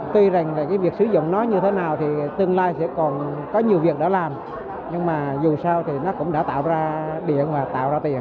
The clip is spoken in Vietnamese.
tuy rằng là cái việc sử dụng nó như thế nào thì tương lai sẽ còn có nhiều việc đã làm nhưng mà dù sao thì nó cũng đã tạo ra điện và tạo ra tiền